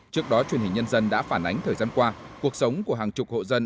trước đó truyền hình nhân dân đã phản ánh thời gian qua cuộc sống của hàng chục hộ dân